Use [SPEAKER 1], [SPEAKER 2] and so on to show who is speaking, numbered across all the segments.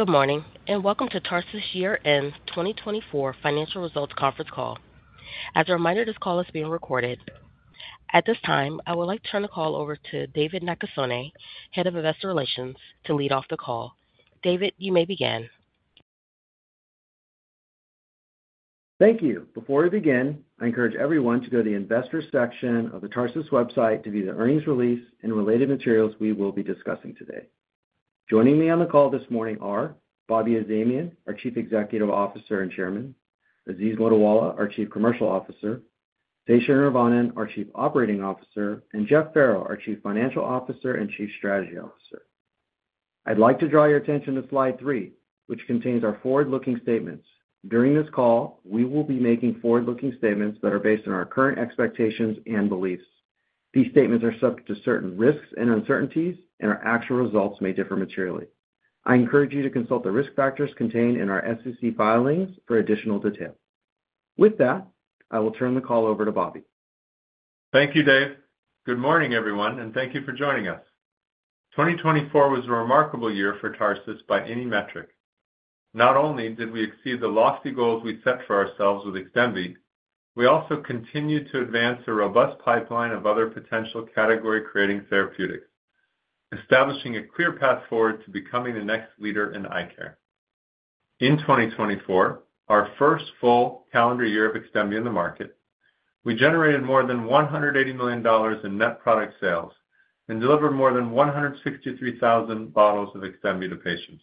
[SPEAKER 1] Good morning and welcome to Tarsus Year End 2024 Financial Results Conference Call. As a reminder, this call is being recorded. At this time, I would like to turn the call over to David Nakasone, Head of Investor Relations, to lead off the call. David, you may begin.
[SPEAKER 2] Thank you. Before we begin, I encourage everyone to go to the Investor section of the Tarsus website to view the earnings release and related materials we will be discussing today. Joining me on the call this morning are Bobby Azamian, our Chief Executive Officer and Chairman; Aziz Mottiwala, our Chief Commercial Officer; Sesha Neervannan, our Chief Operating Officer; and Jeff Farrow, our Chief Financial Officer and Chief Strategy Officer. I'd like to draw your attention to slide three, which contains our forward-looking statements. During this call, we will be making forward-looking statements that are based on our current expectations and beliefs. These statements are subject to certain risks and uncertainties, and our actual results may differ materially. I encourage you to consult the risk factors contained in our SEC filings for additional detail. With that, I will turn the call over to Bobby.
[SPEAKER 3] Thank you, Dave. Good morning, everyone, and thank you for joining us. 2024 was a remarkable year for Tarsus by any metric. Not only did we exceed the lofty goals we set for ourselves with Xdemvy, we also continued to advance a robust pipeline of other potential category-creating therapeutics, establishing a clear path forward to becoming the next leader in eye care. In 2024, our first full calendar year of Xdemvy in the market, we generated more than $180 million in net product sales and delivered more than 163,000 bottles of Xdemvy to patients.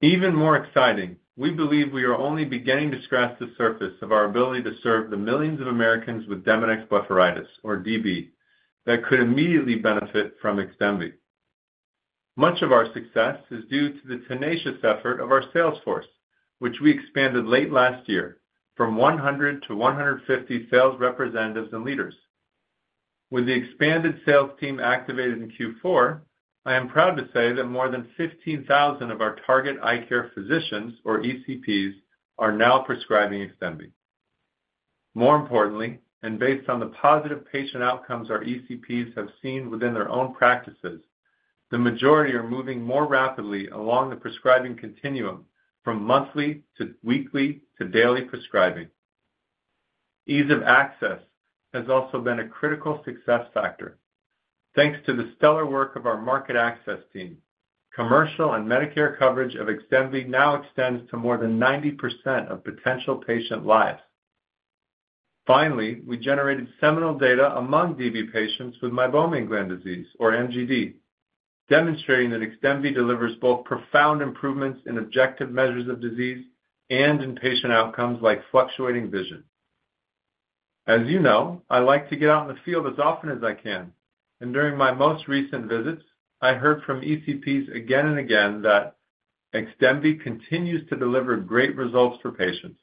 [SPEAKER 3] Even more exciting, we believe we are only beginning to scratch the surface of our ability to serve the millions of Americans with Demodex blepharitis, or DB, that could immediately benefit from Xdemvy. Much of our success is due to the tenacious effort of our sales force, which we expanded late last year from 100 to 150 sales representatives and leaders. With the expanded sales team activated in Q4, I am proud to say that more than 15,000 of our target eye care physicians, or ECPs, are now prescribing Xdemvy. More importantly, and based on the positive patient outcomes our ECPs have seen within their own practices, the majority are moving more rapidly along the prescribing continuum from monthly to weekly to daily prescribing. Ease of access has also been a critical success factor. Thanks to the stellar work of our market access team, commercial and Medicare coverage of Xdemvy now extends to more than 90% of potential patient lives. Finally, we generated seminal data among DB patients with Meibomian gland disease, or MGD, demonstrating that Xdemvy delivers both profound improvements in objective measures of disease and in patient outcomes like fluctuating vision. As you know, I like to get out in the field as often as I can, and during my most recent visits, I heard from ECPs again and again that Xdemvy continues to deliver great results for patients.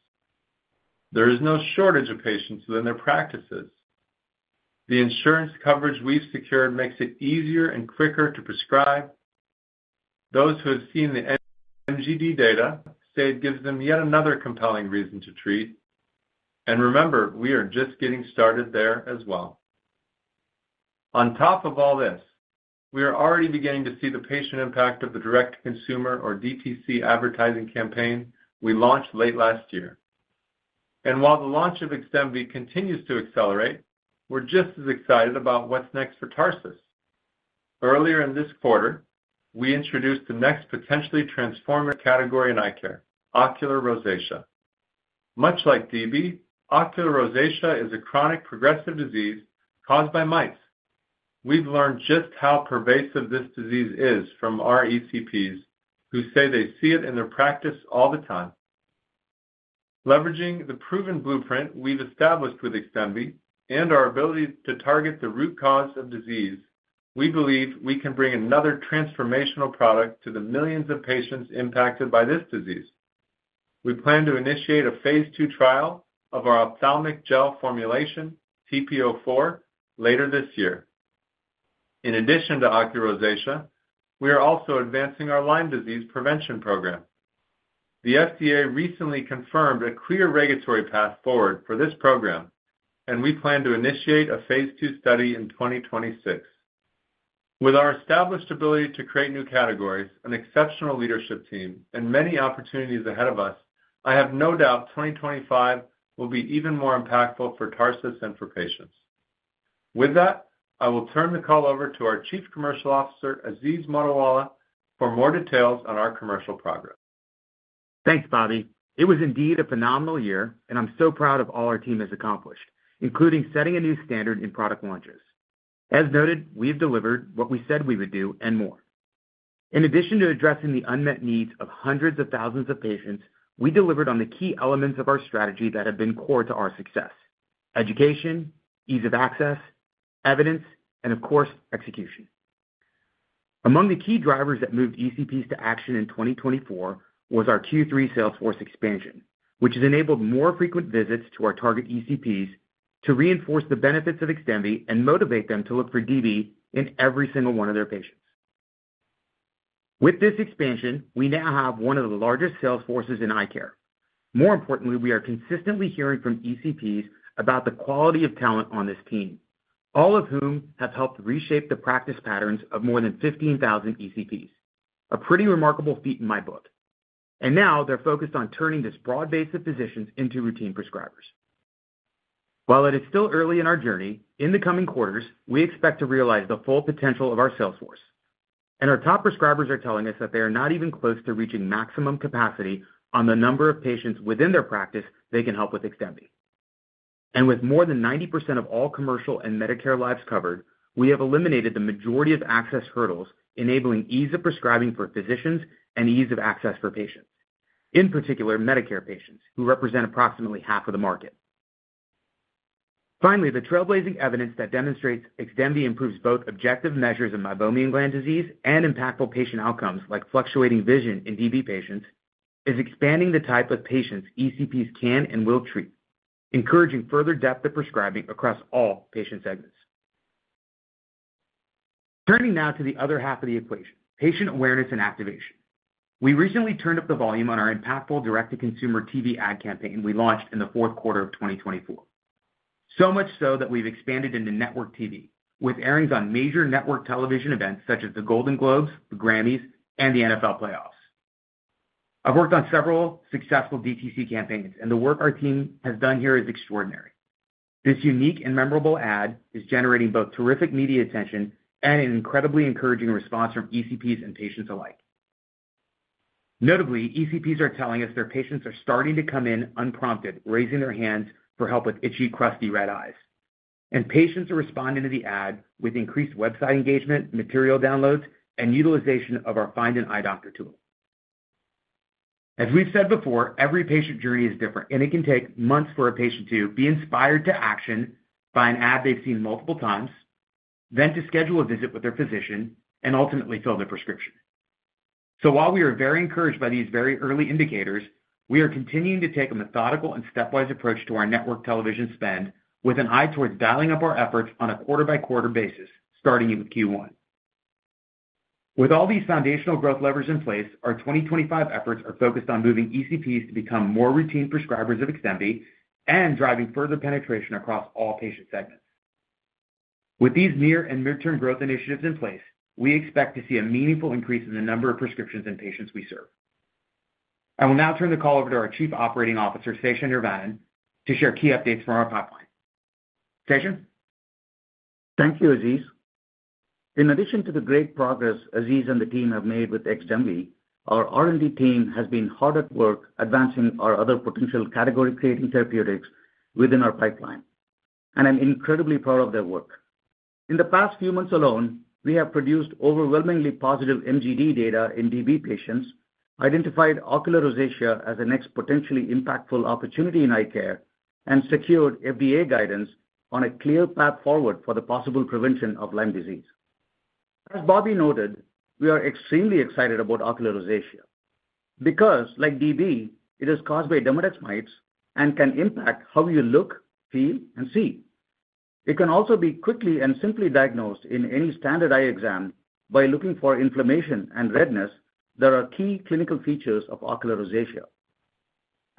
[SPEAKER 3] There is no shortage of patients within their practices. The insurance coverage we've secured makes it easier and quicker to prescribe. Those who have seen the MGD data say it gives them yet another compelling reason to treat. And remember, we are just getting started there as well. On top of all this, we are already beginning to see the patient impact of the direct-to-consumer, or DTC, advertising campaign we launched late last year. And while the launch of Xdemvy continues to accelerate, we're just as excited about what's next for Tarsus. Earlier in this quarter, we introduced the next potentially transformative category in eye care: ocular rosacea. Much like DB, ocular rosacea is a chronic progressive disease caused by mites. We've learned just how pervasive this disease is from our ECPs, who say they see it in their practice all the time. Leveraging the proven blueprint we've established with Xdemvy and our ability to target the root cause of disease, we believe we can bring another transformational product to the millions of patients impacted by this disease. We plan to initiate a Phase 2 trial of our ophthalmic gel formulation, TP-04, later this year. In addition to ocular rosacea, we are also advancing our Lyme disease prevention program. The FDA recently confirmed a clear regulatory path forward for this program, and we plan to initiate a phase two study in 2026. With our established ability to create new categories, an exceptional leadership team, and many opportunities ahead of us, I have no doubt 2025 will be even more impactful for Tarsus and for patients. With that, I will turn the call over to our Chief Commercial Officer, Aziz Mottiwala, for more details on our commercial progress.
[SPEAKER 4] Thanks, Bobby. It was indeed a phenomenal year, and I'm so proud of all our team has accomplished, including setting a new standard in product launches. As noted, we've delivered what we said we would do and more. In addition to addressing the unmet needs of hundreds of thousands of patients, we delivered on the key elements of our strategy that have been core to our success: education, ease of access, evidence, and, of course, execution. Among the key drivers that moved ECPs to action in 2024 was our Q3 sales force expansion, which has enabled more frequent visits to our target ECPs to reinforce the benefits of Xdemvy and motivate them to look for DB in every single one of their patients. With this expansion, we now have one of the largest sales forces in eye care. More importantly, we are consistently hearing from ECPs about the quality of talent on this team, all of whom have helped reshape the practice patterns of more than 15,000 ECPs, a pretty remarkable feat in my book, and now they're focused on turning this broad base of physicians into routine prescribers. While it is still early in our journey, in the coming quarters, we expect to realize the full potential of our sales force, and our top prescribers are telling us that they are not even close to reaching maximum capacity on the number of patients within their practice they can help with Xdemvy, and with more than 90% of all commercial and Medicare lives covered, we have eliminated the majority of access hurdles, enabling ease of prescribing for physicians and ease of access for patients, in particular Medicare patients, who represent approximately half of the market. Finally, the trailblazing evidence that demonstrates Xdemvy improves both objective measures of Meibomian gland disease and impactful patient outcomes like fluctuating vision in DB patients is expanding the type of patients ECPs can and will treat, encouraging further depth of prescribing across all patient segments. Turning now to the other half of the equation: patient awareness and activation. We recently turned up the volume on our impactful direct-to-consumer TV ad campaign we launched in the fourth quarter of 2024. So much so that we've expanded into network TV, with airings on major network television events such as the Golden Globes, the Grammys, and the NFL Playoffs. I've worked on several successful DTC campaigns, and the work our team has done here is extraordinary. This unique and memorable ad is generating both terrific media attention and an incredibly encouraging response from ECPs and patients alike. Notably, ECPs are telling us their patients are starting to come in unprompted, raising their hands for help with itchy, crusty red eyes, and patients are responding to the ad with increased website engagement, material downloads, and utilization of our Find an Eye Doctor tool. As we've said before, every patient journey is different, and it can take months for a patient to be inspired to action by an ad they've seen multiple times, then to schedule a visit with their physician and ultimately fill their prescription, so while we are very encouraged by these very early indicators, we are continuing to take a methodical and stepwise approach to our network television spend, with an eye towards dialing up our efforts on a quarter-by-quarter basis, starting with Q1. With all these foundational growth levers in place, our 2025 efforts are focused on moving ECPs to become more routine prescribers of Xdemvy and driving further penetration across all patient segments. With these near and midterm growth initiatives in place, we expect to see a meaningful increase in the number of prescriptions and patients we serve. I will now turn the call over to our Chief Operating Officer, Sesha Neervannan, to share key updates from our pipeline. Sesha.
[SPEAKER 5] Thank you, Aziz. In addition to the great progress Aziz and the team have made with Xdemvy, our R&D team has been hard at work advancing our other potential category-creating therapeutics within our pipeline, and I'm incredibly proud of their work. In the past few months alone, we have produced overwhelmingly positive MGD data in DB patients, identified ocular rosacea as a next potentially impactful opportunity in eye care, and secured FDA guidance on a clear path forward for the possible prevention of Lyme disease. As Bobby noted, we are extremely excited about ocular rosacea because, like DB, it is caused by Demodex mites and can impact how you look, feel, and see. It can also be quickly and simply diagnosed in any standard eye exam by looking for inflammation and redness that are key clinical features of ocular rosacea.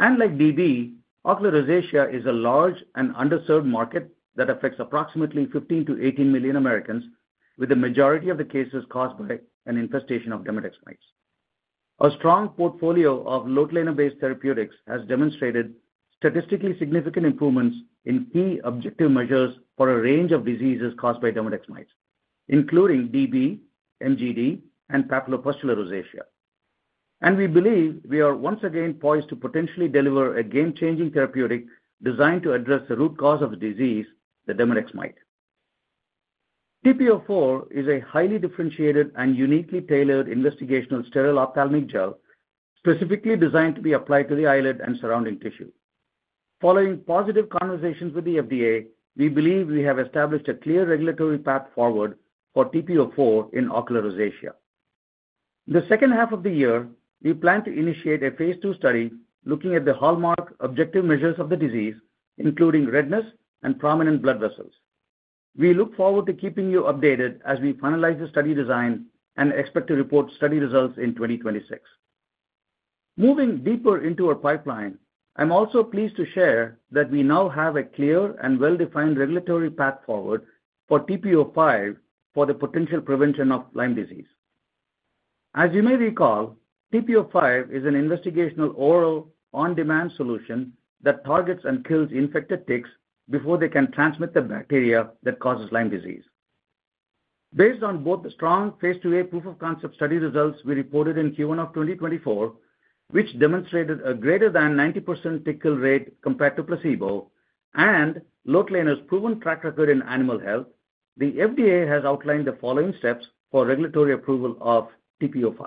[SPEAKER 5] Like DB, ocular rosacea is a large and underserved market that affects approximately 15 to 18 million Americans, with the majority of the cases caused by an infestation of Demodex mites. A strong portfolio of lotilaner-based therapeutics has demonstrated statistically significant improvements in key objective measures for a range of diseases caused by Demodex mites, including DB, MGD, and papillopustular rosacea. We believe we are once again poised to potentially deliver a game-changing therapeutic designed to address the root cause of the disease, the Demodex mite. TP-04 is a highly differentiated and uniquely tailored investigational sterile ophthalmic gel specifically designed to be applied to the eyelid and surrounding tissue. Following positive conversations with the FDA, we believe we have established a clear regulatory path forward for TP-04 in ocular rosacea. The second half of the year, we plan to initiate a phase 2 study looking at the hallmark objective measures of the disease, including redness and prominent blood vessels. We look forward to keeping you updated as we finalize the study design and expect to report study results in 2026. Moving deeper into our pipeline, I'm also pleased to share that we now have a clear and well-defined regulatory path forward for TP-05 for the potential prevention of Lyme disease. As you may recall, TP-05 is an investigational oral on-demand solution that targets and kills infected ticks before they can transmit the bacteria that causes Lyme disease. Based on both the strong Phase 2a proof of concept study results we reported in Q1 of 2024, which demonstrated a greater than 90% tick kill rate compared to placebo and lotilaner's proven track record in animal health, the FDA has outlined the following steps for regulatory approval of TP-05.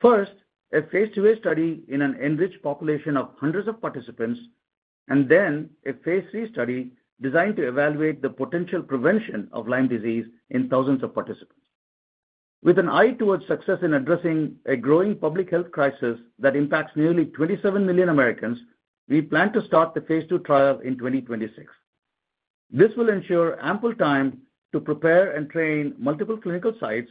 [SPEAKER 5] First, a Phase 2a study in an enriched population of hundreds of participants, and then a Phase 3 study designed to evaluate the potential prevention of Lyme disease in thousands of participants. With an eye towards success in addressing a growing public health crisis that impacts nearly 27 million Americans, we plan to start the phase two trial in 2026. This will ensure ample time to prepare and train multiple clinical sites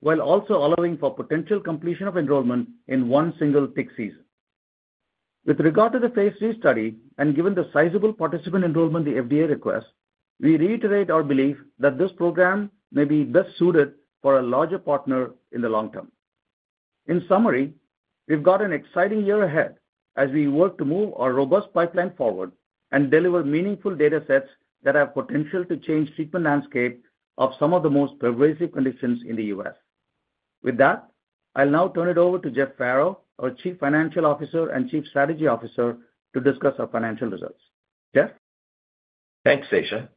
[SPEAKER 5] while also allowing for potential completion of enrollment in one single tick season. With regard to the phase 3 study and given the sizable participant enrollment the FDA requests, we reiterate our belief that this program may be best suited for a larger partner in the long term. In summary, we've got an exciting year ahead as we work to move our robust pipeline forward and deliver meaningful data sets that have potential to change the treatment landscape of some of the most pervasive conditions in the U.S. With that, I'll now turn it over to Jeff Farrow, our Chief Financial Officer and Chief Strategy Officer, to discuss our financial results. Jeff?
[SPEAKER 6] Thanks, Sesha.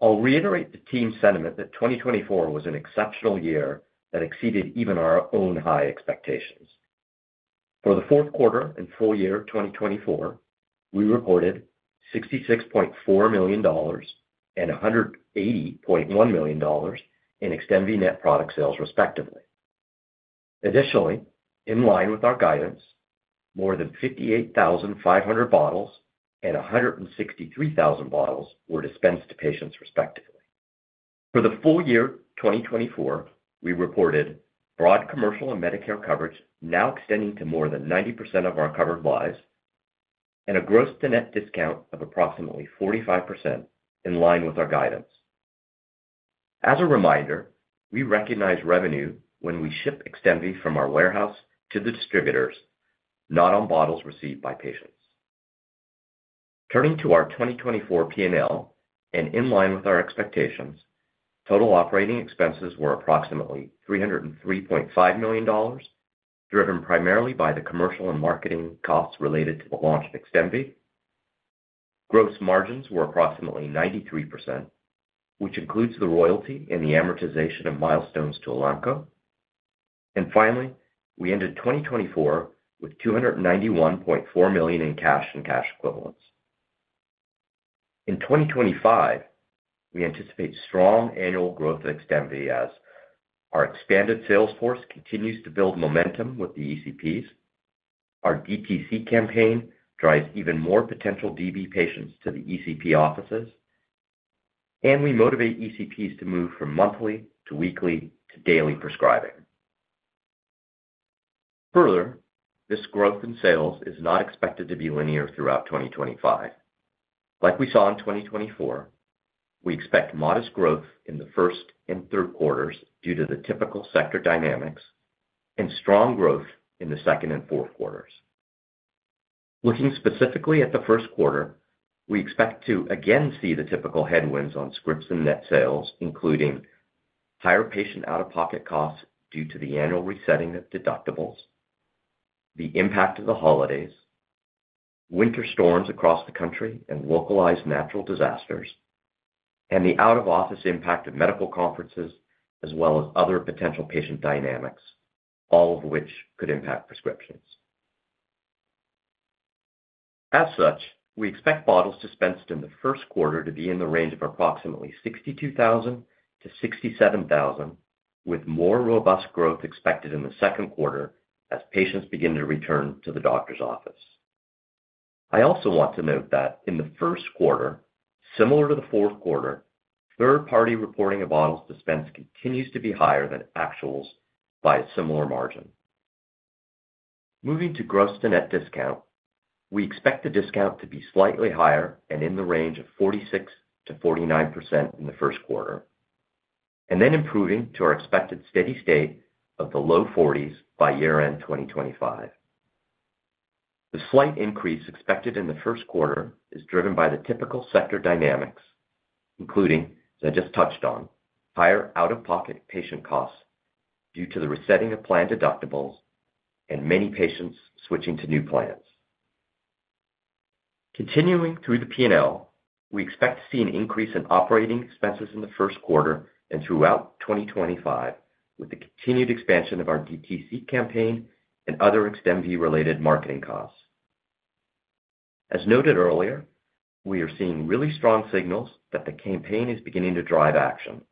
[SPEAKER 6] I'll reiterate the team's sentiment that 2024 was an exceptional year that exceeded even our own high expectations. For the fourth quarter and full year 2024, we reported $66.4 and 180.1 million in Xdemvy net product sales, respectively. Additionally, in line with our guidance, more than 58,500 bottles and 163,000 bottles were dispensed to patients, respectively. For the full year 2024, we reported broad commercial and Medicare coverage now extending to more than 90% of our covered lives and a gross-to-net discount of approximately 45% in line with our guidance. As a reminder, we recognize revenue when we ship Xdemvy from our warehouse to the distributors, not on bottles received by patients. Turning to our 2024 P&L, and in line with our expectations, total operating expenses were approximately $303.5 million, driven primarily by the commercial and marketing costs related to the launch of Xdemvy. Gross margins were approximately 93%, which includes the royalty and the amortization of milestones to Elanco. And finally, we ended 2024 with $291.4 million in cash and cash equivalents. In 2025, we anticipate strong annual growth of Xdemvy as our expanded sales force continues to build momentum with the ECPs, our DTC campaign drives even more potential DB patients to the ECP offices, and we motivate ECPs to move from monthly to weekly to daily prescribing. Further, this growth in sales is not expected to be linear throughout 2025. Like we saw in 2024, we expect modest growth in the first and third quarters due to the typical sector dynamics and strong growth in the second and fourth quarters. Looking specifically at the first quarter, we expect to again see the typical headwinds on scripts and net sales, including higher patient out-of-pocket costs due to the annual resetting of deductibles, the impact of the holidays, winter storms across the country and localized natural disasters, and the out-of-office impact of medical conferences, as well as other potential patient dynamics, all of which could impact prescriptions. As such, we expect bottles dispensed in the first quarter to be in the range of approximately $62,000 to 67,000, with more robust growth expected in the second quarter as patients begin to return to the doctor's office. I also want to note that in the first quarter, similar to the fourth quarter, third-party reporting of bottles dispensed continues to be higher than actuals by a similar margin. Moving to Gross-to-net discount, we expect the discount to be slightly higher and in the range of 46% to 49% in the first quarter, and then improving to our expected steady state of the low 40s by year-end 2025. The slight increase expected in the first quarter is driven by the typical sector dynamics, including, as I just touched on, higher out-of-pocket patient costs due to the resetting of planned deductibles and many patients switching to new plans. Continuing through the P&L, we expect to see an increase in operating expenses in the first quarter and throughout 2025 with the continued expansion of our DTC campaign and other Xdemvy-related marketing costs. As noted earlier, we are seeing really strong signals that the campaign is beginning to drive action.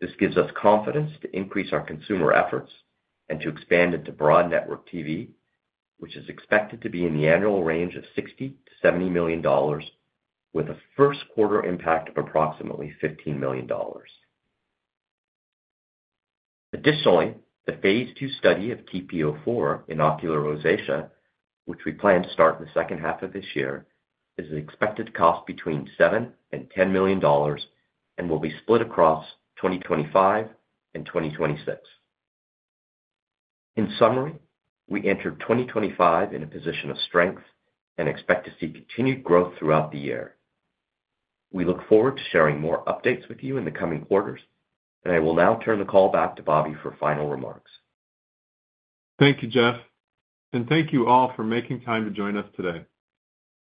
[SPEAKER 6] This gives us confidence to increase our consumer efforts and to expand into broad network TV, which is expected to be in the annual range of $60 to 70 million, with a first quarter impact of approximately $15 million. Additionally, the phase two study of TP-04 in ocular rosacea, which we plan to start in the second half of this year, is expected to cost between $7 and 10 million and will be split across 2025 and 2026. In summary, we entered 2025 in a position of strength and expect to see continued growth throughout the year. We look forward to sharing more updates with you in the coming quarters, and I will now turn the call back to Bobby for final remarks.
[SPEAKER 3] Thank you, Jeff. And thank you all for making time to join us today.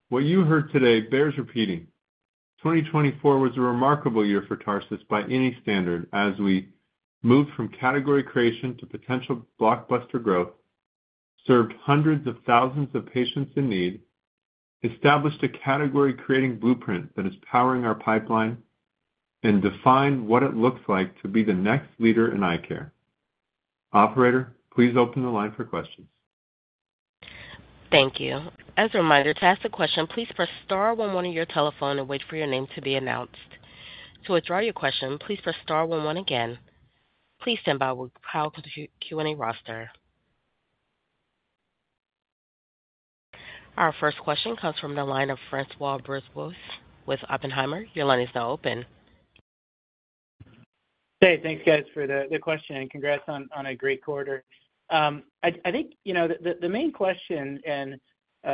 [SPEAKER 3] What you heard today bears repeating. 2024 was a remarkable year for Tarsus by any standard as we moved from category creation to potential blockbuster growth, served hundreds of thousands of patients in need, established a category-creating blueprint that is powering our pipeline, and defined what it looks like to be the next leader in eye care. Operator, please open the line for questions.
[SPEAKER 1] Thank you. As a reminder, to ask a question, please press star one one on your telephone and wait for your name to be announced. To withdraw your question, please press star one one again. Please stand by while we call out the Q&A roster. Our first question comes from the line of François Brisebois with Oppenheimer. Your line is now open.
[SPEAKER 7] Hey, thanks, guys, for the question. Congrats on a great quarter. I think the main question, and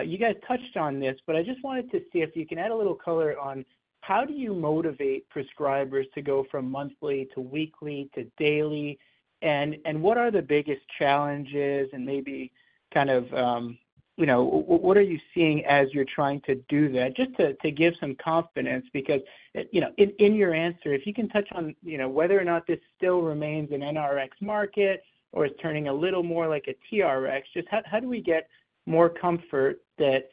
[SPEAKER 7] you guys touched on this, but I just wanted to see if you can add a little color on how do you motivate prescribers to go from monthly to weekly to daily, and what are the biggest challenges and maybe kind of what are you seeing as you're trying to do that, just to give some confidence? Because in your answer, if you can touch on whether or not this still remains an NRX market or is turning a little more like a TRX, just how do we get more comfort that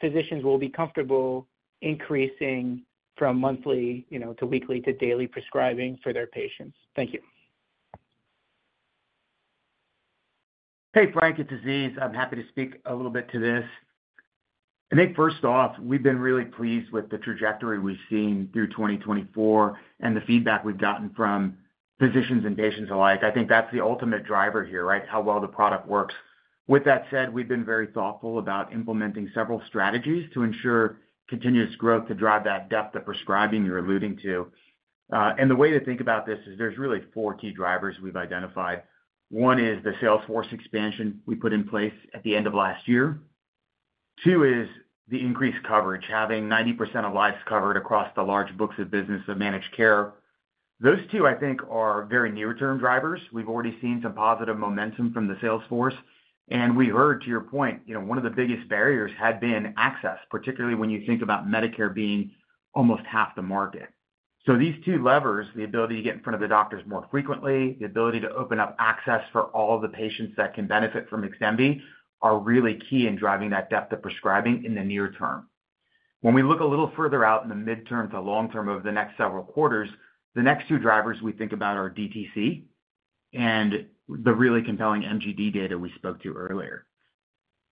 [SPEAKER 7] physicians will be comfortable increasing from monthly to weekly to daily prescribing for their patients? Thank you.
[SPEAKER 4] Hey, Frank, it's Aziz. I'm happy to speak a little bit to this. I think, first off, we've been really pleased with the trajectory we've seen through 2024 and the feedback we've gotten from physicians and patients alike. I think that's the ultimate driver here, right, how well the product works. With that said, we've been very thoughtful about implementing several strategies to ensure continuous growth to drive that depth of prescribing you're alluding to. And the way to think about this is there's really four key drivers we've identified. One is the sales force expansion we put in place at the end of last year. Two is the increased coverage, having 90% of lives covered across the large books of business of managed care. Those two, I think, are very near-term drivers. We've already seen some positive momentum from the sales force. And we heard, to your point, one of the biggest barriers had been access, particularly when you think about Medicare being almost half the market. So these two levers, the ability to get in front of the doctors more frequently, the ability to open up access for all of the patients that can benefit from Xdemvy, are really key in driving that depth of prescribing in the near term. When we look a little further out in the midterm to long term over the next several quarters, the next two drivers we think about are DTC and the really compelling MGD data we spoke to earlier.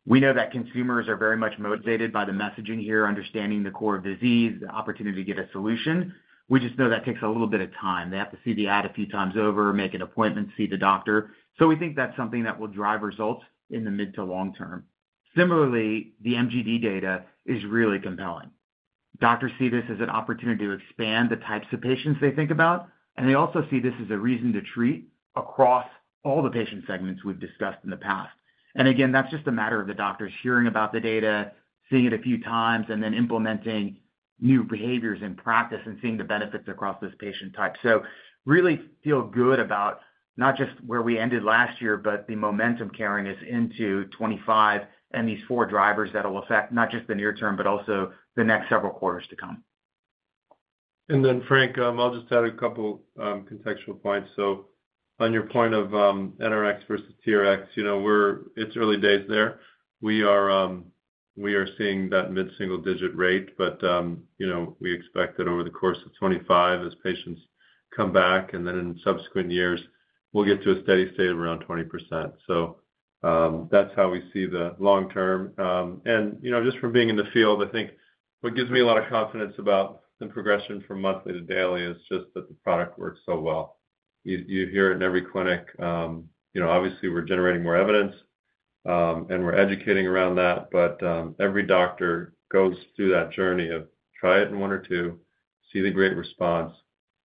[SPEAKER 4] We know that consumers are very much motivated by the messaging here, understanding the core of disease, the opportunity to get a solution. We just know that takes a little bit of time. They have to see the ad a few times over, make an appointment, see the doctor. So we think that's something that will drive results in the mid to long term. Similarly, the MGD data is really compelling. Doctors see this as an opportunity to expand the types of patients they think about, and they also see this as a reason to treat across all the patient segments we've discussed in the past. And again, that's just a matter of the doctors hearing about the data, seeing it a few times, and then implementing new behaviors in practice and seeing the benefits across this patient type. So really feel good about not just where we ended last year, but the momentum carrying us into 2025 and these four drivers that will affect not just the near term, but also the next several quarters to come.
[SPEAKER 3] And then, Frank, I'll just add a couple of contextual points. So on your point of NRX versus TRX, it's early days there. We are seeing that mid-single-digit rate, but we expect that over the course of 2025, as patients come back and then in subsequent years, we'll get to a steady state of around 20%. So that's how we see the long term. And just from being in the field, I think what gives me a lot of confidence about the progression from monthly to daily is just that the product works so well. You hear it in every clinic. Obviously, we're generating more evidence, and we're educating around that, but every doctor goes through that journey of try it in one or two, see the great response,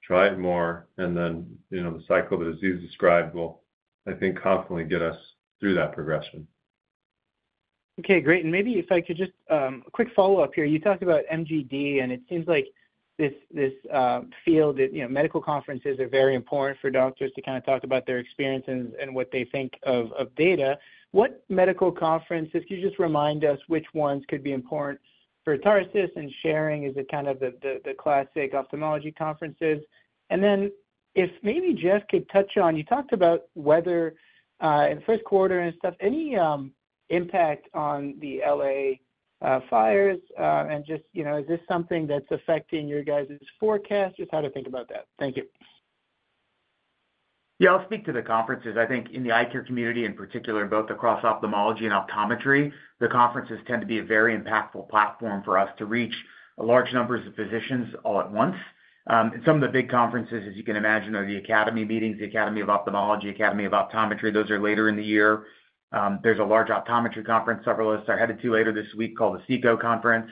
[SPEAKER 3] try it more, and then the cycle that Aziz described will, I think, confidently get us through that progression.
[SPEAKER 7] Okay, great. And maybe if I could just a quick follow-up here. You talked about MGD, and it seems like this field, medical conferences are very important for doctors to kind of talk about their experiences and what they think of data. What medical conferences could you just remind us which ones could be important for Tarsus and sharing? Is it kind of the classic ophthalmology conferences? And then if maybe Jeff could touch on, you talked about weather in the first quarter and stuff, any impact on the LA fires? And just is this something that's affecting your guys' forecast? Just how to think about that? Thank you.
[SPEAKER 3] Yeah, I'll speak to the conferences. I think in the eye care community in particular, both across ophthalmology and optometry, the conferences tend to be a very impactful platform for us to reach large numbers of physicians all at once. And some of the big conferences, as you can imagine, are the academy meetings, the Academy of Ophthalmology, Academy of Optometry. Those are later in the year. There's a large optometry conference several of us are headed to later this week called the SECO Conference.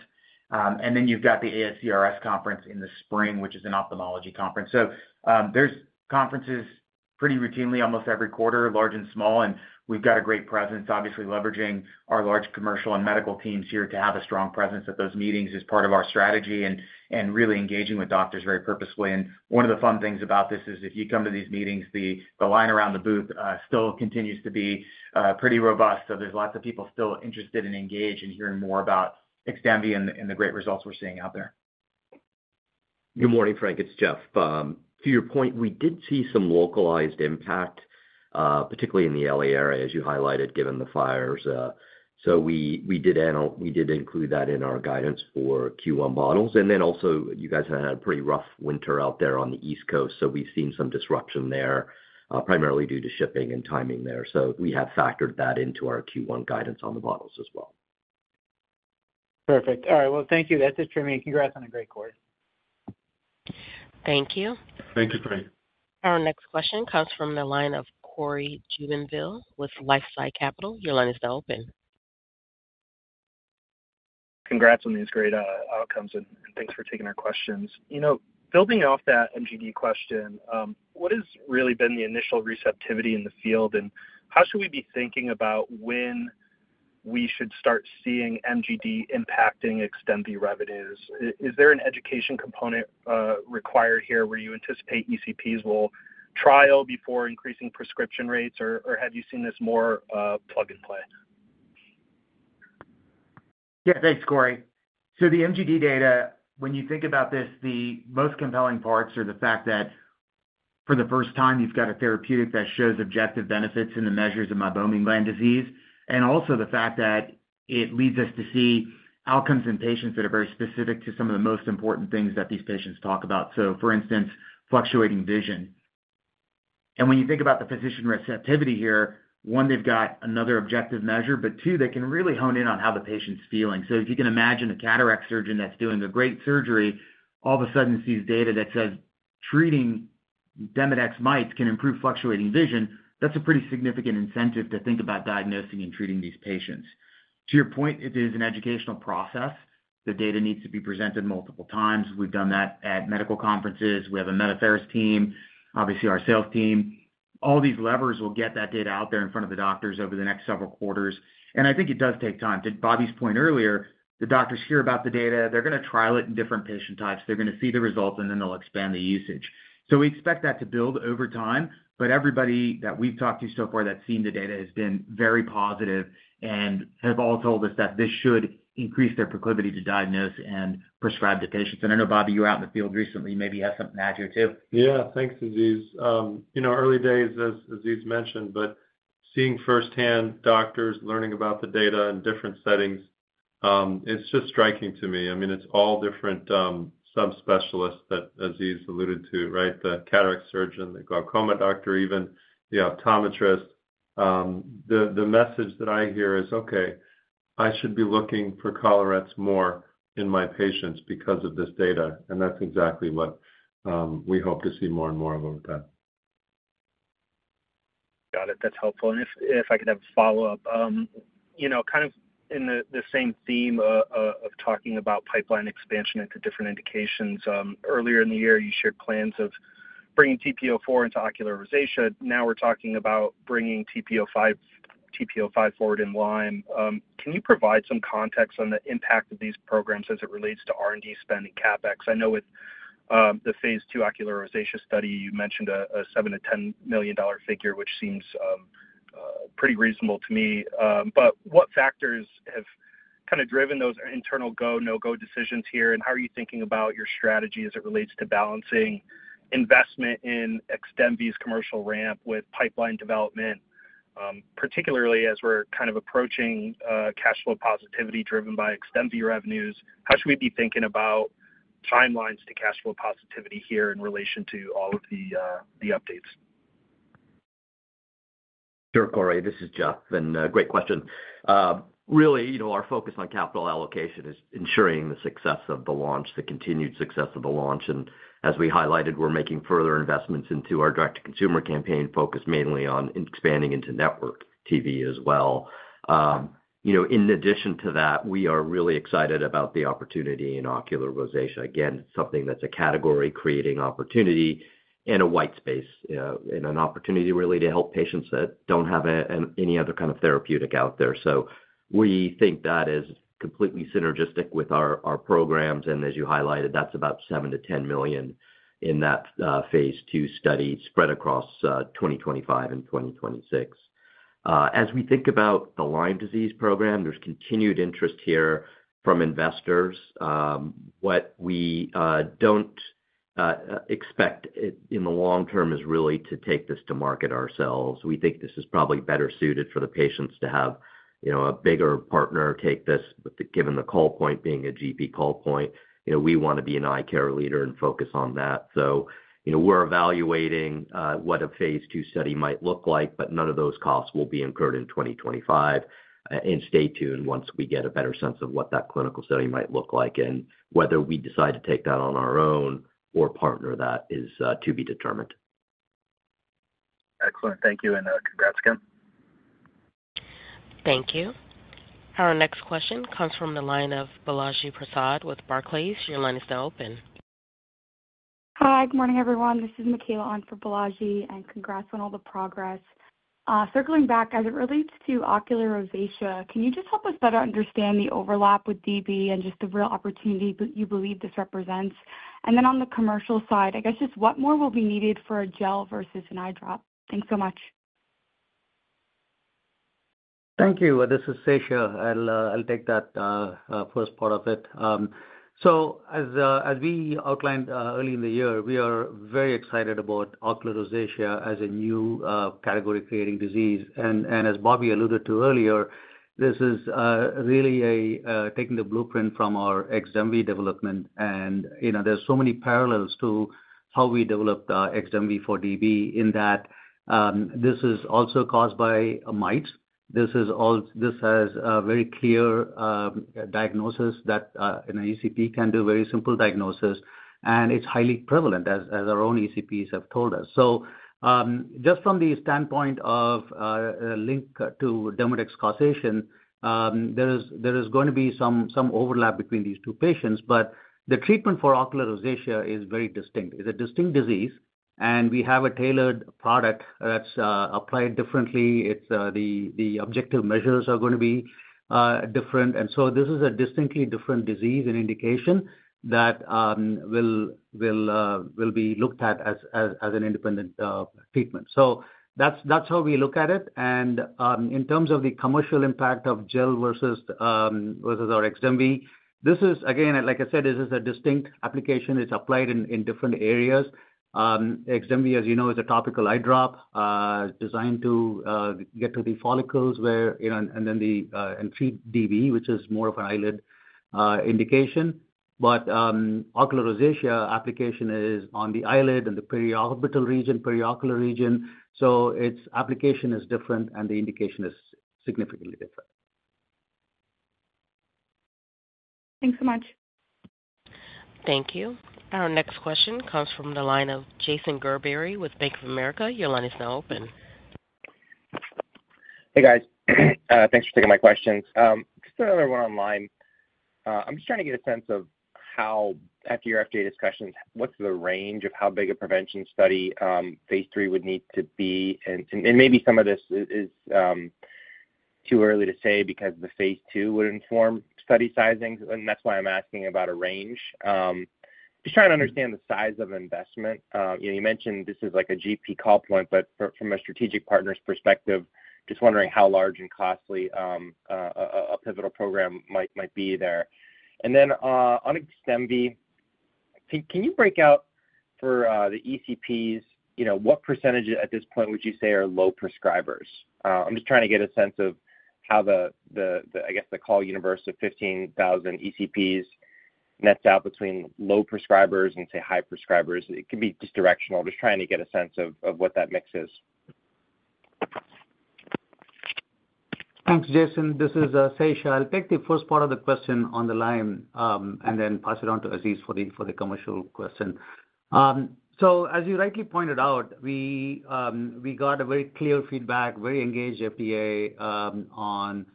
[SPEAKER 3] And then you've got the ASCRS Conference in the spring, which is an ophthalmology conference. So there's conferences pretty routinely almost every quarter, large and small, and we've got a great presence, obviously leveraging our large commercial and medical teams here to have a strong presence at those meetings as part of our strategy and really engaging with doctors very purposefully. One of the fun things about this is if you come to these meetings, the line around the booth still continues to be pretty robust. There's lots of people still interested and engaged in hearing more about Xdemvy and the great results we're seeing out there.
[SPEAKER 6] Good morning, Frank. It's Jeff. To your point, we did see some localized impact, particularly in the LA area, as you highlighted, given the fires. So we did include that in our guidance for Q1 bottles. And then also, you guys had a pretty rough winter out there on the East Coast, so we've seen some disruption there, primarily due to shipping and timing there. So we have factored that into our Q1 guidance on the bottles as well.
[SPEAKER 7] Perfect. All right. Well, thank you. That's it for me. Congrats on a great quarter.
[SPEAKER 1] Thank you.
[SPEAKER 3] Thank you, Frank.
[SPEAKER 1] Our next question comes from the line of Cory Jubinville with LifeSci Capital. Your line is now open.
[SPEAKER 8] Congrats on these great outcomes, and thanks for taking our questions. Building off that MGD question, what has really been the initial receptivity in the field, and how should we be thinking about when we should start seeing MGD impacting Xdemvy revenues? Is there an education component required here where you anticipate ECPs will trial before increasing prescription rates, or have you seen this more plug and play?
[SPEAKER 4] Yeah, thanks, Corey. So the MGD data, when you think about this, the most compelling parts are the fact that for the first time, you've got a therapeutic that shows objective benefits in the measures of Meibomian gland disease, and also the fact that it leads us to see outcomes in patients that are very specific to some of the most important things that these patients talk about. So, for instance, fluctuating vision. And when you think about the physician receptivity here, one, they've got another objective measure, but two, they can really hone in on how the patient's feeling. So if you can imagine a cataract surgeon that's doing a great surgery, all of a sudden sees data that says treating Demodex mites can improve fluctuating vision, that's a pretty significant incentive to think about diagnosing and treating these patients. To your point, it is an educational process. The data needs to be presented multiple times. We've done that at medical conferences. We have a Med Affairs team, obviously our sales team. All these levers will get that data out there in front of the doctors over the next several quarters, and I think it does take time. To Bobby's point earlier, the doctors hear about the data, they're going to trial it in different patient types. They're going to see the results, and then they'll expand the usage, so we expect that to build over time, but everybody that we've talked to so far that's seen the data has been very positive and have all told us that this should increase their proclivity to diagnose and prescribe to patients, and I know, Bobby, you were out in the field recently. Maybe you have something to add here too.
[SPEAKER 3] Yeah, thanks, Aziz. Early days, as Aziz mentioned, but seeing firsthand doctors learning about the data in different settings, it's just striking to me. I mean, it's all different subspecialists that Aziz alluded to, right? The cataract surgeon, the glaucoma doctor, even the optometrist. The message that I hear is, "Okay, I should be looking for collarettes more in my patients because of this data." And that's exactly what we hope to see more and more of over time.
[SPEAKER 8] Got it. That's helpful. And if I could have a follow-up, kind of in the same theme of talking about pipeline expansion into different indications. Earlier in the year, you shared plans of bringing TP-04 into ocular rosacea. Now we're talking about bringing TP-05 forward in Lyme. Can you provide some context on the impact of these programs as it relates to R&D spend and CapEx? I know with the phase 2 ocular rosacea study, you mentioned a $7 to 10 million figure, which seems pretty reasonable to me. But what factors have kind of driven those internal go, no-go decisions here? And how are you thinking about your strategy as it relates to balancing investment in Xdemvy's commercial ramp with pipeline development, particularly as we're kind of approaching cash flow positivity driven by Xdemvy revenues? How should we be thinking about timelines to cash flow positivity here in relation to all of the updates?
[SPEAKER 6] Sure, Corey. This is Jeff. And great question. Really, our focus on capital allocation is ensuring the success of the launch, the continued success of the launch. And as we highlighted, we're making further investments into our direct-to-consumer campaign focused mainly on expanding into network TV as well. In addition to that, we are really excited about the opportunity in ocular rosacea. Again, it's something that's a category-creating opportunity and a white space and an opportunity really to help patients that don't have any other kind of therapeutic out there. So we think that is completely synergistic with our programs. And as you highlighted, that's about $7 to $10 million in that phase two study spread across 2025 and 2026. As we think about the Lyme disease program, there's continued interest here from investors. What we don't expect in the long term is really to take this to market ourselves. We think this is probably better suited for the patients to have a bigger partner take this, but given the call point being a GP call point, we want to be an eye care leader and focus on that, so we're evaluating what a phase two study might look like, but none of those costs will be incurred in 2025, and stay tuned once we get a better sense of what that clinical study might look like, and whether we decide to take that on our own or partner, that is to be determined.
[SPEAKER 8] Excellent. Thank you and congrats again.
[SPEAKER 1] Thank you. Our next question comes from the line of Balaji Prasad with Barclays. Your line is now open.
[SPEAKER 9] Hi, good morning, everyone. This is Mikaela Ahn for Balaji, and congrats on all the progress. Circling back, as it relates to ocular rosacea, can you just help us better understand the overlap with DB and just the real opportunity that you believe this represents? And then on the commercial side, I guess just what more will be needed for a gel versus an eye drop? Thanks so much.
[SPEAKER 5] Thank you. This is Sesha. I'll take that first part of it. So as we outlined early in the year, we are very excited about ocular rosacea as a new category-creating disease. And as Bobby alluded to earlier, this is really taking the blueprint from our Xdemvy development. And there's so many parallels to how we developed Xdemvy for DB in that this is also caused by mites. This has a very clear diagnosis that an ECP can do, very simple diagnosis, and it's highly prevalent, as our own ECPs have told us. So just from the standpoint of link to Demodex causation, there is going to be some overlap between these two patients, but the treatment for ocular rosacea is very distinct. It's a distinct disease, and we have a tailored product that's applied differently. The objective measures are going to be different. And so this is a distinctly different disease and indication that will be looked at as an independent treatment. So that's how we look at it. And in terms of the commercial impact of gel versus our Xdemvy, this is, again, like I said, this is a distinct application. It's applied in different areas. Xdemvy, as you know, is a topical eye drop designed to get to the follicles and then to treat DB, which is more of an eyelid indication. But ocular rosacea application is on the eyelid and the periorbital region, periocular region. So its application is different, and the indication is significantly different.
[SPEAKER 9] Thanks so much.
[SPEAKER 1] Thank you. Our next question comes from the line of Jason Gerbery with Bank of America. Your line is now open.
[SPEAKER 10] Hey, guys. Thanks for taking my questions. Just another one on Lyme. I'm just trying to get a sense of how, after your FDA discussions, what's the range of how big a prevention study phase 3 would need to be? And maybe some of this is too early to say because the phase 2 would inform study sizings. And that's why I'm asking about a range. Just trying to understand the size of investment. You mentioned this is like a GP call point, but from a strategic partner's perspective, just wondering how large and costly a pivotal program might be there. And then on Xdemvy, can you break out for the ECPs, what percentage at this point would you say are low prescribers? I'm just trying to get a sense of how the, I guess, the call universe of 15,000 ECPs nets out between low prescribers and, say, high prescribers. It can be just directional, just trying to get a sense of what that mix is.
[SPEAKER 5] Thanks, Jason. This is Sesha. I'll take the first part of the question on the line and then pass it on to Aziz for the commercial question. So as you rightly pointed out, we got very clear feedback, very engaged FDA on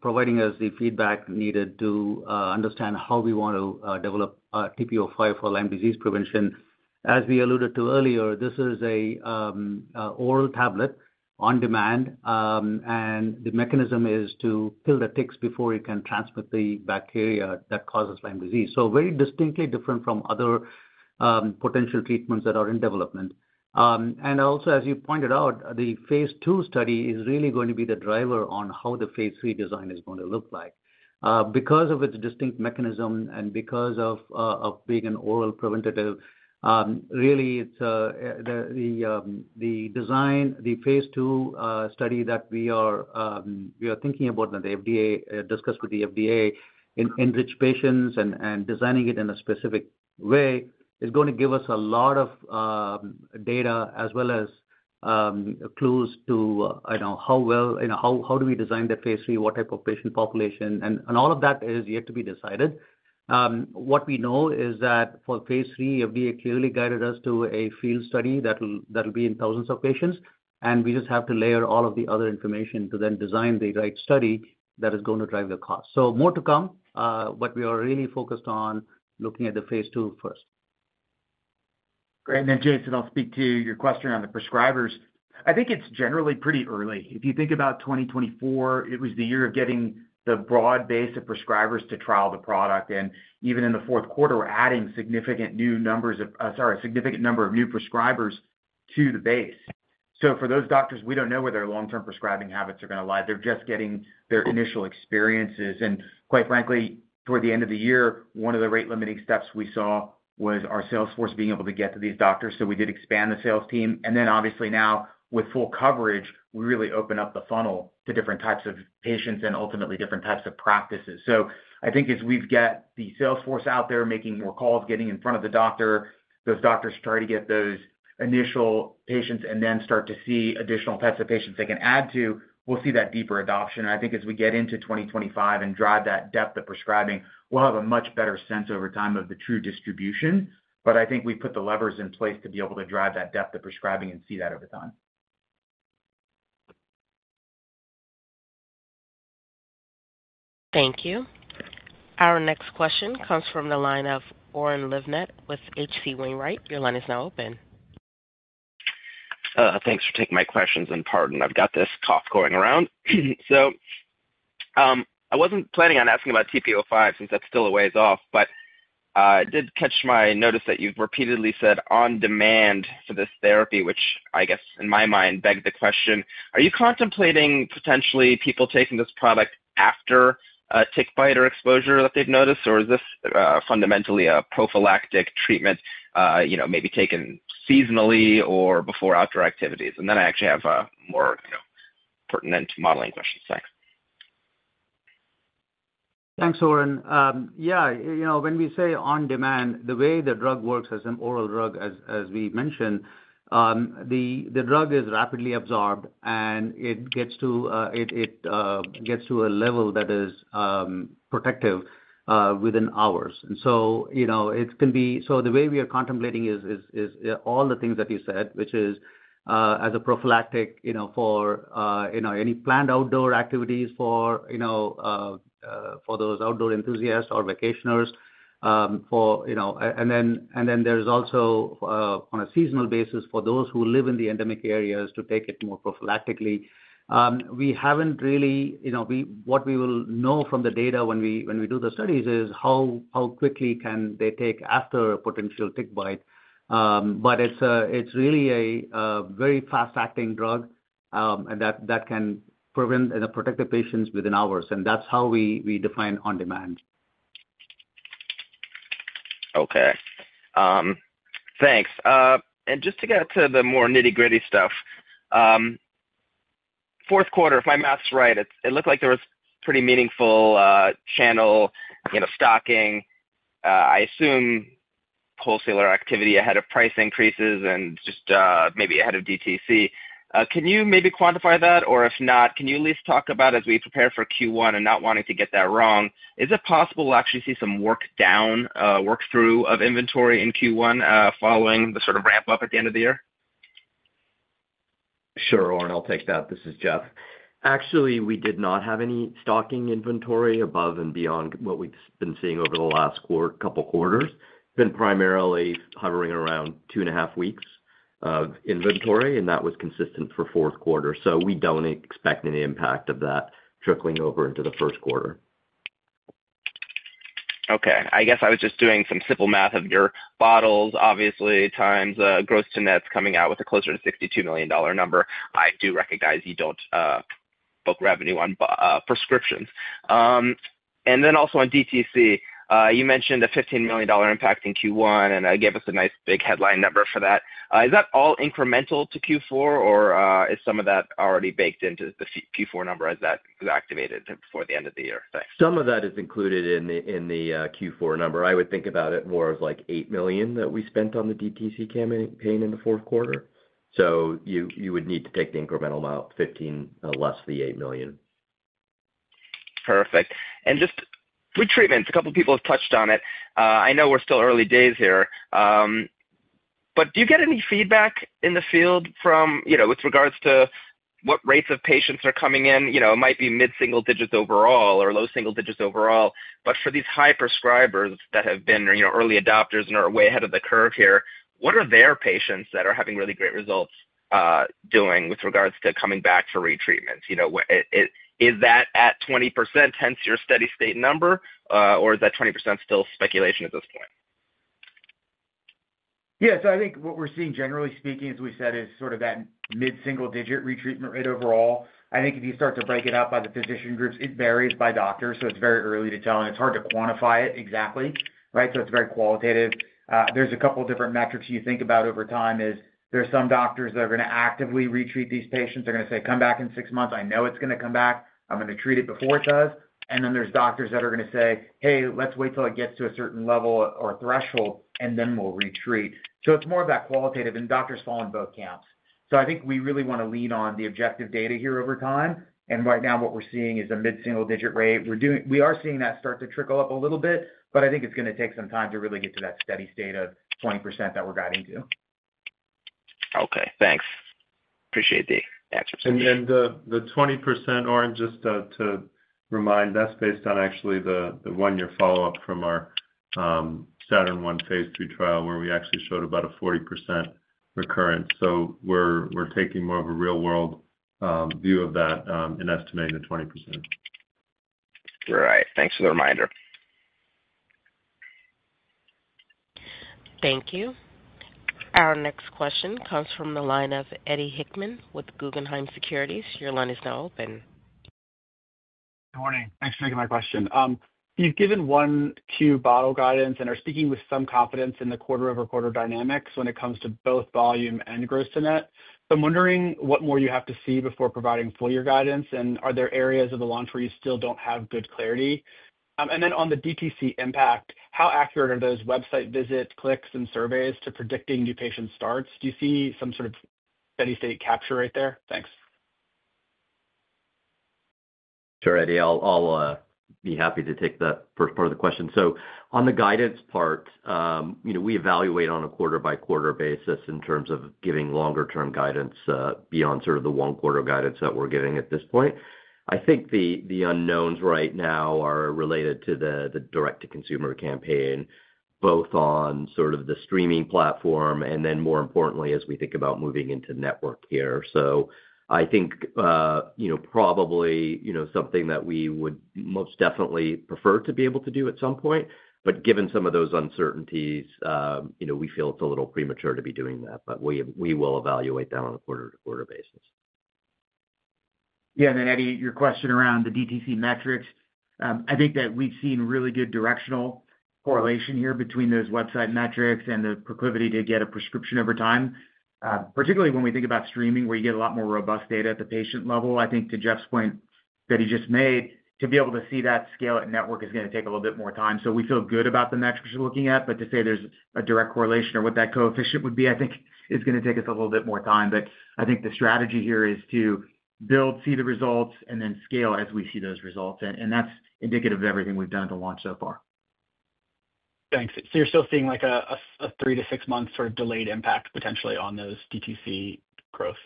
[SPEAKER 5] providing us the feedback needed to understand how we want to develop TP-05 for Lyme disease prevention. As we alluded to earlier, this is an oral tablet on demand, and the mechanism is to kill the ticks before it can transmit the bacteria that causes Lyme disease. So very distinctly different from other potential treatments that are in development. And also, as you pointed out, the phase two study is really going to be the driver on how the phase three design is going to look like. Because of its distinct mechanism and because of being an oral preventative, really, the design, the phase two study that we are thinking about, that we discussed with the FDA, in which patients and designing it in a specific way is going to give us a lot of data as well as clues to how well do we design the phase three, what type of patient population, and all of that is yet to be decided. What we know is that for phase three, FDA clearly guided us to a field study that will be in thousands of patients, and we just have to layer all of the other information to then design the right study that is going to drive the cost. So more to come, but we are really focused on looking at the phase two first.
[SPEAKER 4] Great. And then, Jason, I'll speak to your question on the prescribers. I think it's generally pretty early. If you think about 2024, it was the year of getting the broad base of prescribers to trial the product. And even in the fourth quarter, we're adding significant new numbers of, sorry, a significant number of new prescribers to the base. So for those doctors, we don't know where their long-term prescribing habits are going to lie. They're just getting their initial experiences. And quite frankly, toward the end of the year, one of the rate-limiting steps we saw was our sales force being able to get to these doctors. So we did expand the sales team. And then, obviously, now with full coverage, we really open up the funnel to different types of patients and ultimately different types of practices. So I think as we've got the sales force out there making more calls, getting in front of the doctor, those doctors try to get those initial patients and then start to see additional types of patients they can add to, we'll see that deeper adoption. And I think as we get into 2025 and drive that depth of prescribing, we'll have a much better sense over time of the true distribution. But I think we put the levers in place to be able to drive that depth of prescribing and see that over time.
[SPEAKER 1] Thank you. Our next question comes from the line of Oren Livnat with H.C. Wainwright. Your line is now open.
[SPEAKER 11] Thanks for taking my questions, and pardon. I've got this cough going around. I wasn't planning on asking about TP-05 since that's still a ways off, but I did notice that you've repeatedly said on demand for this therapy, which I guess in my mind begged the question, are you contemplating potentially people taking this product after a tick bite or exposure that they've noticed, or is this fundamentally a prophylactic treatment, maybe taken seasonally or before outdoor activities? Then I actually have more pertinent modeling questions. Thanks.
[SPEAKER 3] Thanks, Oren. Yeah. When we say on demand, the way the drug works as an oral drug, as we mentioned, the drug is rapidly absorbed and it gets to a level that is protective within hours. And so it can be so the way we are contemplating is all the things that you said, which is as a prophylactic for any planned outdoor activities for those outdoor enthusiasts or vacationers. And then there's also on a seasonal basis for those who live in the endemic areas to take it more prophylactically. We haven't really what we will know from the data when we do the studies is how quickly can they take after a potential tick bite. But it's really a very fast-acting drug that can prevent and protect the patients within hours. And that's how we define on demand.
[SPEAKER 11] Okay. Thanks. And just to get to the more nitty-gritty stuff, fourth quarter, if my math's right, it looked like there was pretty meaningful channel stocking. I assume wholesaler activity ahead of price increases and just maybe ahead of DTC. Can you maybe quantify that? Or if not, can you at least talk about, as we prepare for Q1 and not wanting to get that wrong, is it possible to actually see some work down, work through of inventory in Q1 following the sort of ramp up at the end of the year?
[SPEAKER 6] Sure, Oren. I'll take that. This is Jeff. Actually, we did not have any stocking inventory above and beyond what we've been seeing over the last couple of quarters. It's been primarily hovering around two and a half weeks of inventory, and that was consistent for fourth quarter. So we don't expect an impact of that trickling over into the first quarter.
[SPEAKER 11] Okay. I guess I was just doing some simple math of your bottles, obviously, times gross-to-nets coming out with a closer to $62 million number. I do recognize you don't book revenue on prescriptions, and then also on DTC, you mentioned a $15 million impact in Q1, and it gave us a nice big headline number for that. Is that all incremental to Q4, or is some of that already baked into the Q4 number as that was activated before the end of the year? Thanks.
[SPEAKER 6] Some of that is included in the Q4 number. I would think about it more as like $8 million that we spent on the DTC campaign in the fourth quarter. So you would need to take the incremental amount, $15 million less the $8 million.
[SPEAKER 11] Perfect. And just retreatments, a couple of people have touched on it. I know we're still early days here, but do you get any feedback in the field with regards to what rates of patients are coming in? It might be mid-single digits overall or low single digits overall. But for these high prescribers that have been early adopters and are way ahead of the curve here, what are their patients that are having really great results doing with regards to coming back for retreatments? Is that at 20%, hence your steady-state number, or is that 20% still speculation at this point?
[SPEAKER 6] Yeah. So I think what we're seeing, generally speaking, as we said, is sort of that mid-single digit retreatment rate overall. I think if you start to break it up by the physician groups, it varies by doctor, so it's very early to tell. And it's hard to quantify it exactly, right? So it's very qualitative. There's a couple of different metrics you think about over time is there's some doctors that are going to actively retreat these patients. They're going to say, "Come back in six months. I know it's going to come back. I'm going to treat it before it does." And then there's doctors that are going to say, "Hey, let's wait till it gets to a certain level or threshold, and then we'll retreat." So it's more of that qualitative, and doctors fall in both camps. So I think we really want to lean on the objective data here over time. And right now, what we're seeing is a mid-single digit rate. We are seeing that start to trickle up a little bit, but I think it's going to take some time to really get to that steady state of 20% that we're guiding to.
[SPEAKER 11] Okay. Thanks. Appreciate the answers.
[SPEAKER 3] The 20%, Oren, just to remind, that's based on actually the one-year follow-up from our Saturn-1 phase 3 trial where we actually showed about a 40% recurrence. We're taking more of a real-world view of that in estimating the 20%.
[SPEAKER 11] Right. Thanks for the reminder.
[SPEAKER 1] Thank you. Our next question comes from the line of Eddie Hickman with Guggenheim Securities. Your line is now open.
[SPEAKER 12] Good morning. Thanks for taking my question. You've given Q1 guidance and are speaking with some confidence in the quarter-over-quarter dynamics when it comes to both volume and gross-to-net. So I'm wondering what more you have to see before providing full-year guidance, and are there areas of the launch where you still don't have good clarity? And then on the DTC impact, how accurate are those website visits, clicks, and surveys to predicting new patient starts? Do you see some sort of steady-state capture right there? Thanks.
[SPEAKER 6] Sure, Eddie. I'll be happy to take the first part of the question. So on the guidance part, we evaluate on a quarter-by-quarter basis in terms of giving longer-term guidance beyond sort of the one-quarter guidance that we're giving at this point. I think the unknowns right now are related to the direct-to-consumer campaign, both on sort of the streaming platform and then, more importantly, as we think about moving into network here. So I think probably something that we would most definitely prefer to be able to do at some point. But given some of those uncertainties, we feel it's a little premature to be doing that, but we will evaluate that on a quarter-to-quarter basis.
[SPEAKER 3] Yeah. And then, Eddie, your question around the DTC metrics, I think that we've seen really good directional correlation here between those website metrics and the proclivity to get a prescription over time, particularly when we think about streaming where you get a lot more robust data at the patient level. I think to Jeff's point that he just made, to be able to see that scale at network is going to take a little bit more time. So we feel good about the metrics you're looking at, but to say there's a direct correlation or what that coefficient would be, I think, is going to take us a little bit more time. But I think the strategy here is to build, see the results, and then scale as we see those results. And that's indicative of everything we've done at the launch so far.
[SPEAKER 12] Thanks. So you're still seeing a three- to six-month sort of delayed impact potentially on those DTC growth?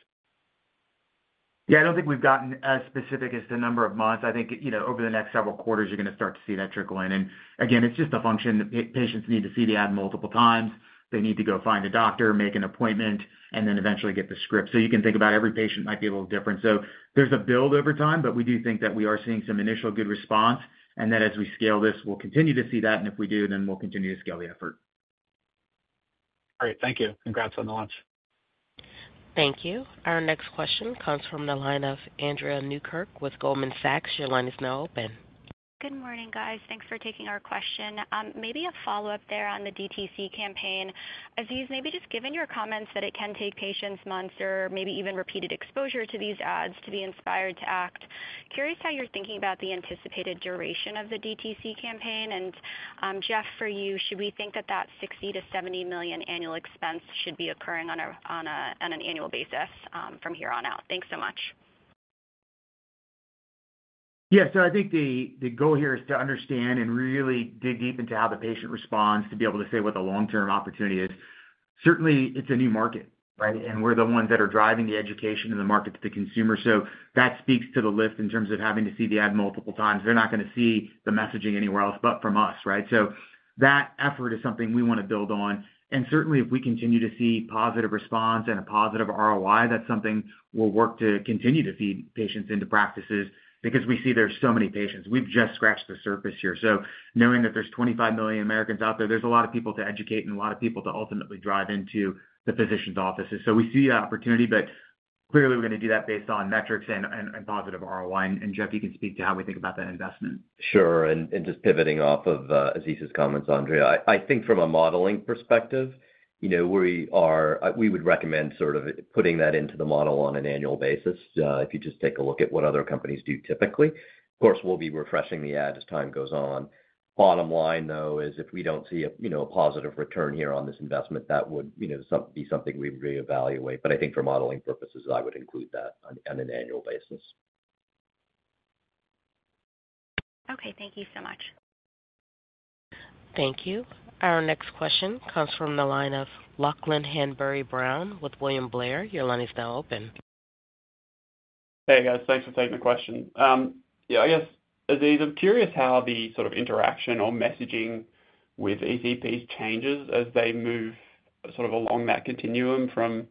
[SPEAKER 3] Yeah. I don't think we've gotten as specific as the number of months. I think over the next several quarters, you're going to start to see that trickle in, and again, it's just a function. Patients need to see the ad multiple times. They need to go find a doctor, make an appointment, and then eventually get the script, so you can think about every patient might be a little different, so there's a build over time, but we do think that we are seeing some initial good response, and then as we scale this, we'll continue to see that, and if we do, then we'll continue to scale the effort.
[SPEAKER 12] Great. Thank you. Congrats on the launch.
[SPEAKER 1] Thank you. Our next question comes from the line of Andrea Newkirk with Goldman Sachs. Your line is now open.
[SPEAKER 13] Good morning, guys. Thanks for taking our question. Maybe a follow-up there on the DTC campaign. Aziz, maybe just given your comments that it can take patients months or maybe even repeated exposure to these ads to be inspired to act, curious how you're thinking about the anticipated duration of the DTC campaign. And Jeff, for you, should we think that that $60 to 70 million annual expense should be occurring on an annual basis from here on out? Thanks so much.
[SPEAKER 4] Yeah. So I think the goal here is to understand and really dig deep into how the patient responds to be able to say what the long-term opportunity is. Certainly, it's a new market, right? And we're the ones that are driving the education and the market to the consumer. So that speaks to the lift in terms of having to see the ad multiple times. They're not going to see the messaging anywhere else but from us, right? So that effort is something we want to build on. And certainly, if we continue to see positive response and a positive ROI, that's something we'll work to continue to feed patients into practices because we see there's so many patients. We've just scratched the surface here. So knowing that there's 25 million Americans out there, there's a lot of people to educate and a lot of people to ultimately drive into the physician's offices. So we see the opportunity, but clearly, we're going to do that based on metrics and positive ROI. And Jeff, you can speak to how we think about that investment.
[SPEAKER 6] Sure. And just pivoting off of Aziz's comments, Andrea, I think from a modeling perspective, we would recommend sort of putting that into the model on an annual basis if you just take a look at what other companies do typically. Of course, we'll be refreshing the ad as time goes on. Bottom line, though, is if we don't see a positive return here on this investment, that would be something we would reevaluate. But I think for modeling purposes, I would include that on an annual basis.
[SPEAKER 13] Okay. Thank you so much.
[SPEAKER 1] Thank you. Our next question comes from the line of Lachlan Hanbury-Brown with William Blair. Your line is now open.
[SPEAKER 14] Hey, guys. Thanks for taking the question. Yeah. I guess, Aziz, I'm curious how the sort of interaction or messaging with ECPs changes as they move sort of along that continuum from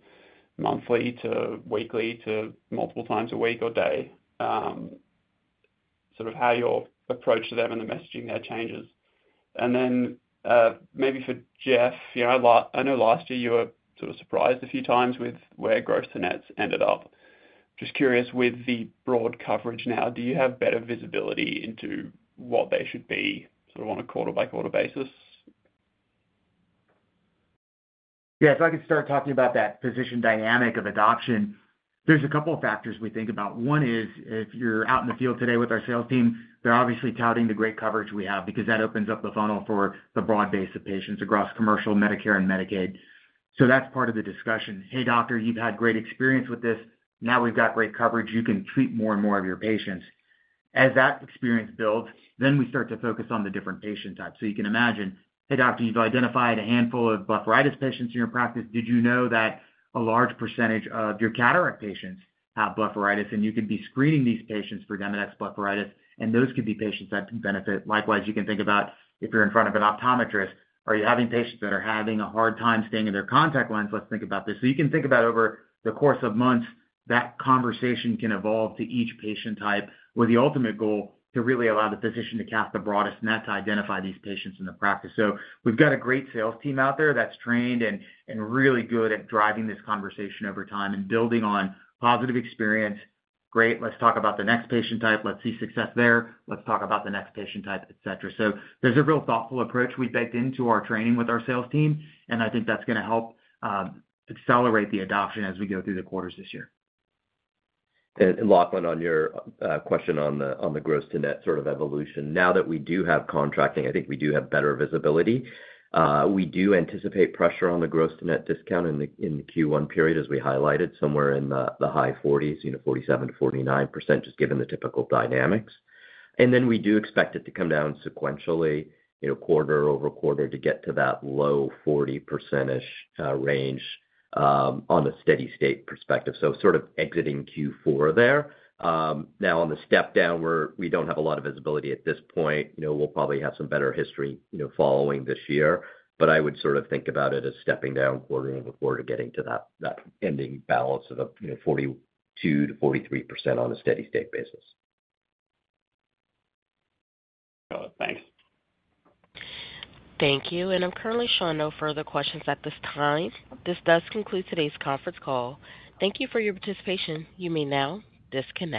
[SPEAKER 14] monthly to weekly to multiple times a week or day, sort of how your approach to them and the messaging there changes. And then maybe for Jeff, I know last year you were sort of surprised a few times with where gross to nets ended up. Just curious with the broad coverage now, do you have better visibility into what they should be sort of on a quarter-by-quarter basis?
[SPEAKER 4] Yeah. If I could start talking about that physician dynamic of adoption, there's a couple of factors we think about. One is if you're out in the field today with our sales team, they're obviously touting the great coverage we have because that opens up the funnel for the broad base of patients across commercial, Medicare, and Medicaid. So that's part of the discussion. "Hey, doctor, you've had great experience with this. Now we've got great coverage. You can treat more and more of your patients." As that experience builds, then we start to focus on the different patient types. So you can imagine, "Hey, doctor, you've identified a handful of blepharitis patients in your practice. Did you know that a large percentage of your cataract patients have blepharitis?" And you could be screening these patients for Demodex blepharitis, and those could be patients that could benefit. Likewise, you can think about if you're in front of an optometrist, are you having patients that are having a hard time staying in their contact lens? Let's think about this. So you can think about over the course of months, that conversation can evolve to each patient type with the ultimate goal to really allow the physician to cast the broadest net to identify these patients in the practice. So we've got a great sales team out there that's trained and really good at driving this conversation over time and building on positive experience. Great. Let's talk about the next patient type. Let's see success there. Let's talk about the next patient type, etc. So there's a real thoughtful approach we've baked into our training with our sales team, and I think that's going to help accelerate the adoption as we go through the quarters this year.
[SPEAKER 6] Lachlan, on your question on the Gross-to-net sort of evolution, now that we do have contracting, I think we do have better visibility. We do anticipate pressure on the Gross-to-net discount in the Q1 period, as we highlighted, somewhere in the high 40s, 47% to 49%, just given the typical dynamics. And then we do expect it to come down sequentially quarter over quarter to get to that low 40%-ish range on the steady-state perspective. So sort of exiting Q4 there. Now, on the step down, we don't have a lot of visibility at this point. We'll probably have some better history following this year, but I would sort of think about it as stepping down quarter over quarter getting to that ending balance of 42% to 43% on a steady-state basis.
[SPEAKER 14] Got it. Thanks.
[SPEAKER 1] Thank you. And I'm currently showing no further questions at this time. This does conclude today's conference call. Thank you for your participation. You may now disconnect.